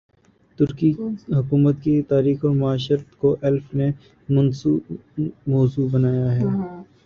ترکی حکومت کی تاریخ اور معاشرت کو ایلف نے موضوع بنایا ہے